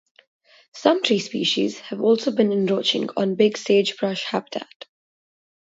Some tree species have also been encroaching on big sagebrush habitat.